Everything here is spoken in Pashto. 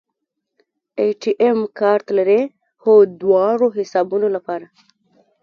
اے ټي ایم کارت لرئ؟ هو، دواړو حسابونو لپاره